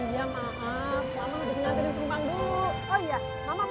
iya maaf mama harus ngantri teman bu